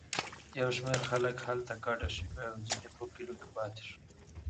یو شمېر خلک هلته کډه شوي او ځینې په کلیو کې پاتې وو.